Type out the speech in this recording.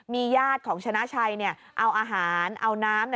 มีญาติของชนะชัยเอาอาหารเอาน้ำ